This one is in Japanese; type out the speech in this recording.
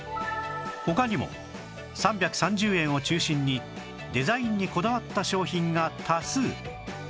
他にも３３０円を中心にデザインにこだわった商品が多数